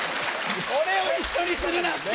俺を一緒にするなって！